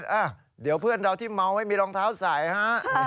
อ่ะเดี๋ยวเพื่อนเราที่เมาไม่มีรองเท้าใส่ฮะ